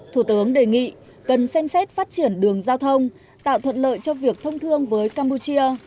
thủ tướng đề nghị cần xem xét phát triển đường giao thông tạo thuận lợi cho việc thông thương với campuchia